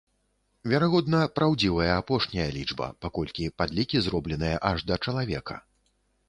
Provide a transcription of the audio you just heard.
Верагодна, праўдзівая апошняя лічба, паколькі падлікі зробленыя аж да чалавека.